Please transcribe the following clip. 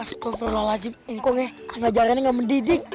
astagfirullahaladzim engkong ya ngajarinnya ga mendidik